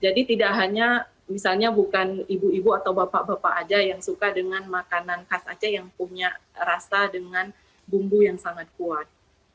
jadi tidak hanya misalnya bukan ibu ibu atau bapak bapak saja yang suka dengan makanan khas aceh yang punya rasa dengan bumbu yang sangat kuat